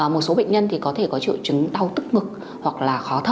một số bệnh nhân thì có thể có triệu chứng đau tức ngực hoặc là khó thở